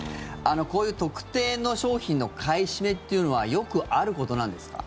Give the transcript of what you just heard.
こういう特定の商品の買い占めっていうのはよくあることなんですか？